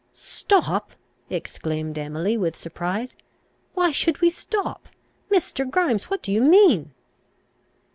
"Stop!" exclaimed Emily with surprise; "why should we stop? Mr. Grimes, what do you mean?"